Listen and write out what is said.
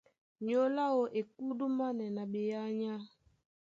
Nyólo áō e kúdúmánɛ́ na ɓeánya.